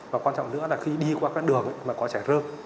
và quan trọng nữa là khi đi qua các đường mà có chảy rơm